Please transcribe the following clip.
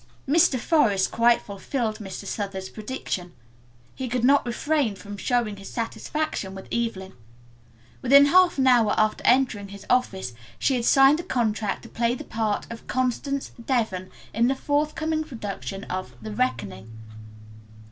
Mr. Forest quite fulfilled Mr. Southard's prediction. He could not refrain from showing his satisfaction with Evelyn. Within half an hour after entering his office she had signed a contract to play the part of 'Constance Devon' in the forthcoming production of 'The Reckoning.'